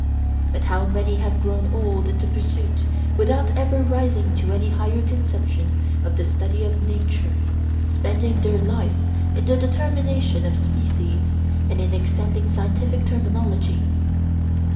But how many have grown old in the pursuit, without ever rising to any higher conception of the study of nature, spending their life in the determination of species, and in extending scientific terminology!